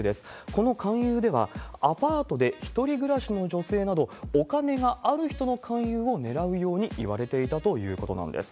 この勧誘では、アパートで１人暮らしの女性など、お金がある人の勧誘を狙うように言われていたということなんです。